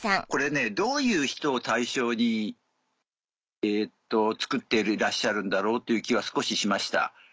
これどういう人を対象に作っていらっしゃるんだろうという気は少ししました。